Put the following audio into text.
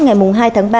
ngày hai tháng ba